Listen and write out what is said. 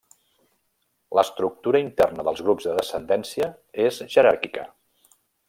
L'estructura interna dels grups de descendència és jeràrquica.